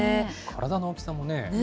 体の大きさもね。